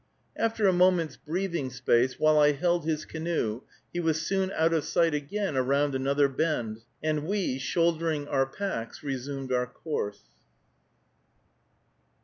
After a moment's breathing space, while I held his canoe, he was soon out of sight again around another bend, and we, shouldering our packs, resumed our course.